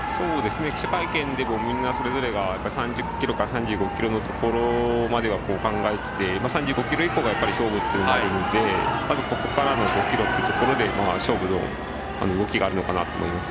記者会見でもみんな、それぞれが３０ｋｍから３５ｋｍのところを考えてて、３５ｋｍ以降が勝負というのもあると思うのでまず、ここからの５ｋｍっていうところで勝負の動きがあるのかなと思います。